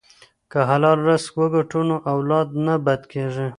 که حلال رزق وګټو نو اولاد نه بد کیږي.